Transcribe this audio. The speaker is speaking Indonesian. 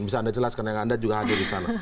bisa anda jelaskan yang anda juga hadir di sana